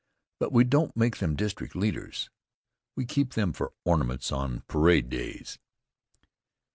But we don't make them district leaders. We keep them for ornaments on parade days.